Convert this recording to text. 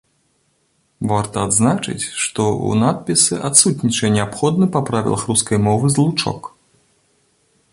Варта адзначыць, што ў надпісы адсутнічае неабходны па правілах рускай мовы злучок.